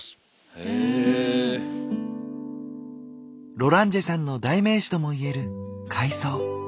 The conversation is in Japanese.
ロランジェさんの代名詞とも言える「海藻」。